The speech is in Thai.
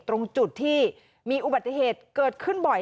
ตรงจุดที่มีอุบัติเหตุเกิดขึ้นบ่อย